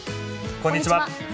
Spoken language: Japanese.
こんにちは。